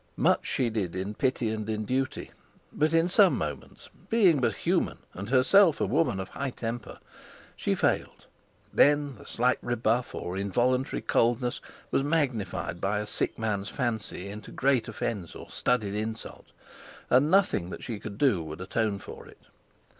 Much she did in pity and in duty; but in some moments, being but human and herself a woman of high temper, she failed; then the slight rebuff or involuntary coldness was magnified by a sick man's fancy into great offence or studied insult, and nothing that she could do would atone for it.